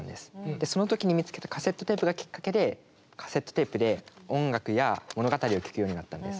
でその時に見つけたカセットテープがきっかけでカセットテープで音楽や物語を聴くようになったんです。